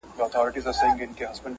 د ژوند پر هره لاره و بلا ته درېږم